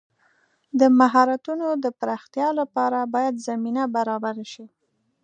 د مهارتونو د پراختیا لپاره باید زمینه برابره شي.